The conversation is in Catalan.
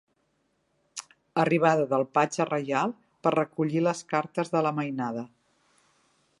Arribada del patge reial per recollir les cartes de la mainada.